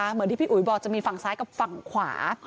เหมือนที่พี่อุ๋ยบอกจะมีฝั่งซ้ายกับฝั่งขวา